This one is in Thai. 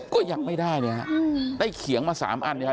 ก็ยังไม่ได้เนี่ยฮะได้เขียงมาสามอันเนี่ยฮะ